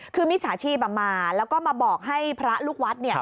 คือมิจฉาชีพมาแล้วก็มาบอกให้พระลูกวัด